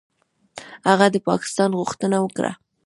هغه د پاکستان غوښتنه وکړه.